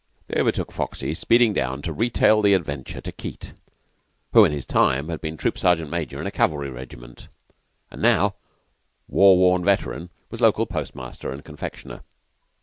They overtook Foxy, speeding down to retail the adventure to Keyte, who in his time had been Troop Sergeant Major in a cavalry regiment, and now, war worn veteran, was local postmaster and confectioner.